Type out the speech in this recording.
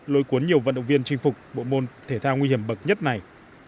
lối cuốn nhiều vận động viên chinh phục bộ môn thể thao nguy hiểm bậc nhất này